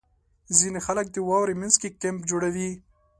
• ځینې خلک د واورې مینځ کې کیمپ جوړوي.